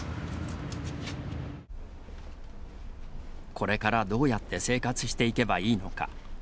これからどうやって生活していけばいいのか。